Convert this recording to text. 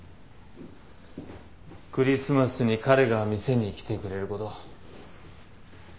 クリスマスに彼が店に来てくれること。